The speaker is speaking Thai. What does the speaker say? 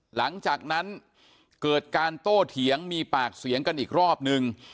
หลังจากนั้นเกิดการโต้เถียงมีปากเสียงกันอีกรอบนึง